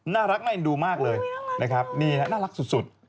น่ารักในดูมากเลยนี่น่ารักสุด